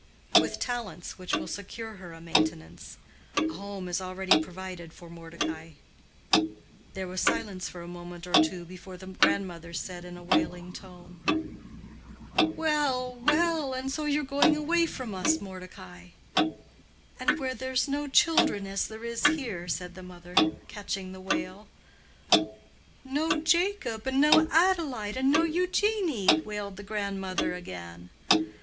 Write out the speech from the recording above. "With talents which will secure her a maintenance. A home is already provided for Mordecai." There was silence for a moment or two before the grandmother said in a wailing tone, "Well, well! and so you're going away from us, Mordecai." "And where there's no children as there is here," said the mother, catching the wail. "No Jacob, and no Adelaide, and no Eugenie!" wailed the grandmother again.